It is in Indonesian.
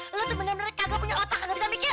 lo tuh bener bener kayak gue punya otak gak bisa mikir